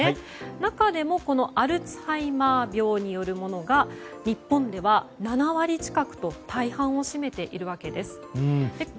中でもアルツハイマー病によるものが日本では７割近くと大半を占めているわけです。